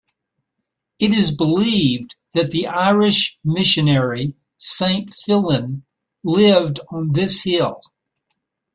It is believed that the Irish missionary Saint Fillan lived on this hill.